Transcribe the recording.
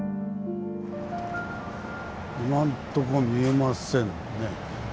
今んとこ見えませんね。